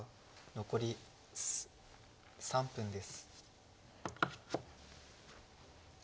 残り３分です。